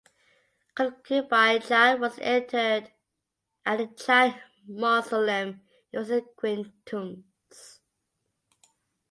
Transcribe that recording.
Concubine Jian was interred at the Chang Mausoleum in Western Qing tombs.